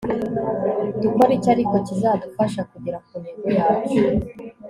dukore iki ariko kizadufasha kugera kuntego yacu